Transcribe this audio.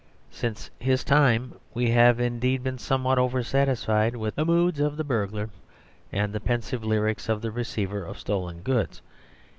Since his time we have indeed been somewhat over satisfied with the moods of the burglar, and the pensive lyrics of the receiver of stolen goods.